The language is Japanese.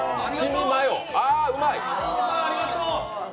あーうまい！